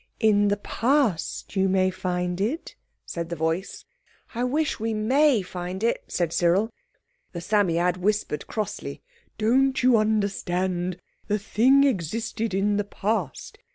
"In the Past you may find it," said the voice. "I wish we may find it," said Cyril. The Psammead whispered crossly, "Don't you understand? The thing existed in the Past.